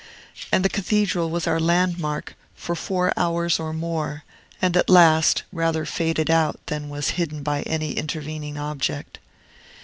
And the Cathedral was our landmark for four hours or more, and at last rather faded out than was hidden by any intervening object.